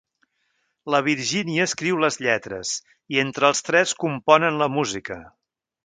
La Virgínia escriu les lletres i entre el tres componen la música.